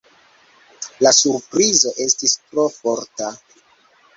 La surprizo estis tro forta.